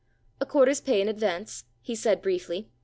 "A quarter's pay in advance," he said briefly.